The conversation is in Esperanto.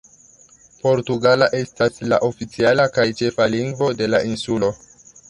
Portugala estas la oficiala kaj ĉefa lingvo de la insulo.